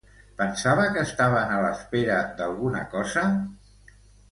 Pensava que estaven a l'espera d'alguna cosa?